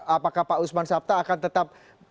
apakah pak usman sabta akan tetap